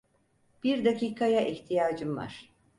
Bir dakikaya ihtiyacım var.